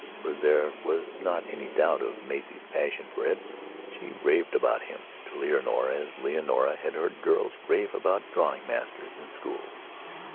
For there was not any doubt of Maisie's passion for Edward. She raved about him to Leonora as Leonora had heard girls rave about drawing masters in schools.